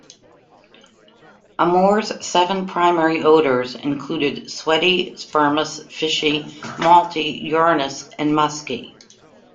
Amoore's seven primary odors included sweaty, spermous, fishy, malty, urinous and musky.